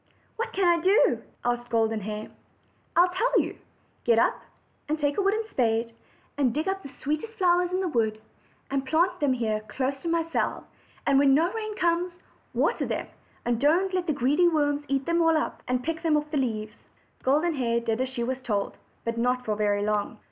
"What can I do?" asked Golden Hair. "I will tell you. Get up and take a wooden spade, and dig up the sweetest flowers in the wood, and plant them here close to my cell; and when no rain comes, water them, and don't let the greedy worms eat them all up, but pick them off the leaves." Golden Hair did as she was told, but not for very long.